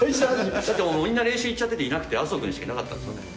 だって、もう、みんな練習行っちゃってていなくて、麻生君しかいなかったんですよね。